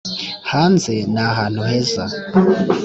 hanze ni ahantu heza.